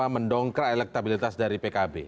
mendongkrak elektabilitas dari pkb